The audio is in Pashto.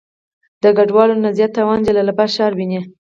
د ګډوالو نه زيات تاوان جلال آباد ښار وينئ.